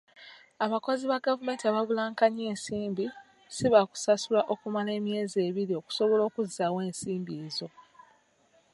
Abakozi ba gavumenti abaabulankanya ensimbi si baakusasulwa okumala emyezi ebiri okusobola okuzzaawo ensimbi ezo.